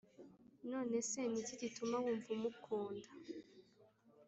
none se ni iki gituma wumva umukunda,